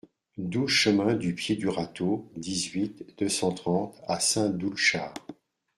douze chemin du Pied du Râteau, dix-huit, deux cent trente à Saint-Doulchard